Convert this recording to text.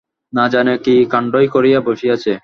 না জানিয়া কি কাণ্ডই করিয়া বসিয়াছে!